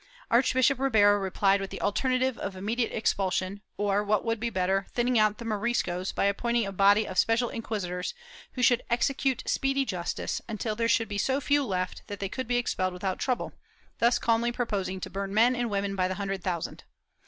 Archbishop Ribera replied with the alternative of immediate expulsion or, what would be better, thin ning out the Moriscos by appointing a body of special inquisitors, who should execute speedy justice, until there should be so few left that they could be expelled without trouble, thus calmly proposing to burn men and women by the hundred thousand.